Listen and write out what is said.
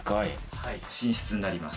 はい寝室になります。